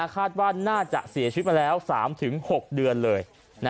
คาดว่าน่าจะเสียชีวิตมาแล้ว๓๖เดือนเลย